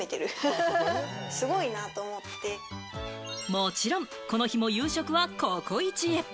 もちろん、この日も夕食はココイチへ。